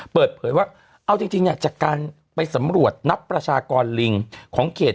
เปิดเผยว่าเอาจริงเนี่ยจากการไปสำรวจนับประชากรลิงของเขต